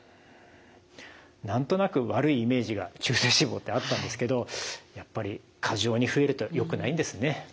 何となく悪いイメージが中性脂肪ってあったんですけどやっぱり過剰に増えるとよくないんですね。